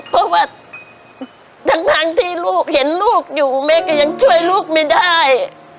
เพราะว่าทั้งที่ลูกเห็นลูกอยู่แม่ก็ยังช่วยลูกไม่ได้